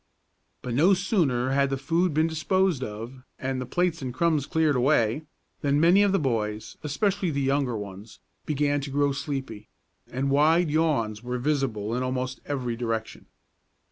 But no sooner had the food been disposed of and the plates and crumbs cleared away, than many of the boys, especially the younger ones, began to grow sleepy, and wide yawns were visible in almost every direction.